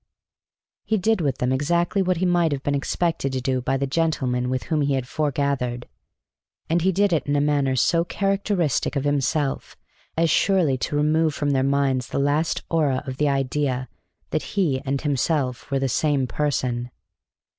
He did with them exactly what he might have been expected to do by the gentlemen with whom he had foregathered; and he did it in a manner so characteristic of himself as surely to remove from their minds the last aura of the idea that he and himself were the same person.